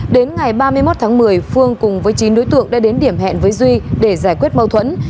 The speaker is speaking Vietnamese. đến ngày ba mươi một tháng một mươi phương cùng với chín đối tượng đã đến điểm hẹn với duy để giải quyết mâu thuẫn